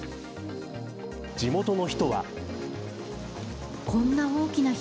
地元の人は。